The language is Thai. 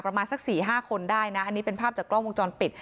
ประมาณสัก๔๕คนได้นะอันนี้เป็นภาพจากกล้องวงจรปิด